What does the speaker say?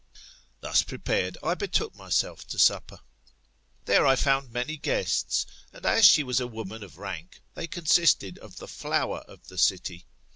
Thus prepared, I betook myself to supper. There I found many guests, and as she was a woman of rank, they consisted of the flower of the city.